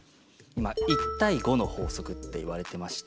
１対５の法則っていわれてまして。